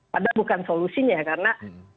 padahal bukan solusinya karena